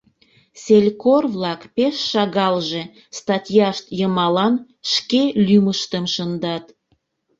Селькор-влак пеш шагалже статьяшт йымалан шке лӱмыштым шындат.